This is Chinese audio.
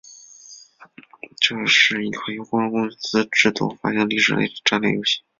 是一款由光荣公司制作和发行的历史类战略游戏。